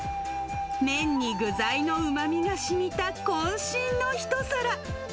麺に具材のうまみがしみたこん身の一皿。